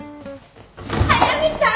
速見さん